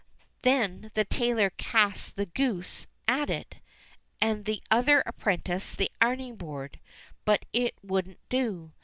Then the tailor cast the goose at it, and the other apprentice the ironing board ; but it wouldn't do.